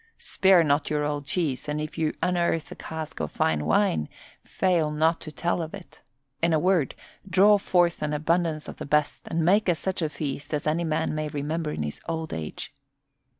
Spare not your old cheese, and if you unearth a cask of fine wine fail not to tell of it. In a word, draw forth an abundance of the best and make us such a feast as a man may remember in his old age."